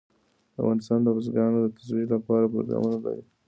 افغانستان د بزګان د ترویج لپاره پروګرامونه لري.